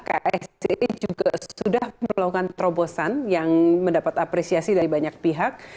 ksc juga sudah melakukan terobosan yang mendapat apresiasi dari banyak pihak